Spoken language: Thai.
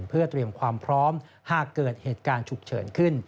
เพื่อเตรียมความพร้อมหากเกิดเหตุการณ์ฉุกเฉินขึ้น